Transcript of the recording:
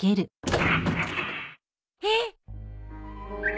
えっ！？